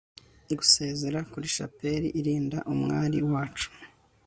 gusezera, kuri shapeli irinda umwari wacu